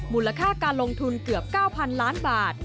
มูลค่าการลงทุนเกือบ๙๐๐ล้านบาท